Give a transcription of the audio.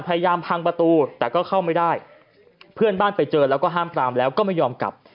พยายามพังประตูแต่ก็เข้าไม่ได้เพื่อนบ้านไปเจอแล้วก็ห้ามปรามแล้วก็ไม่ยอมกลับ